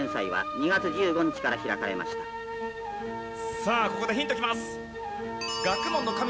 さあここでヒントきます。